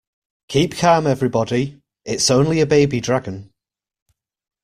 Keep calm everybody, it's only a baby dragon.